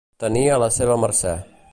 Tenir a la seva mercè.